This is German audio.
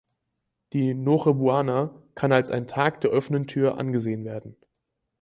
Die "Noche Buena" kann als ein Tag der offenen Tür angesehen werden.